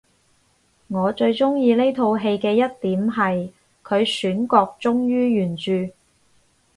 我最鍾意呢套戲嘅一點係佢選角忠於原著